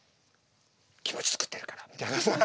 気持ち作ってるから」みたいなさ。